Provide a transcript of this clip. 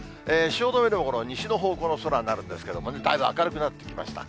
汐留でもこの西の方向の空になるんですけれども、だいぶ明るくなってきました。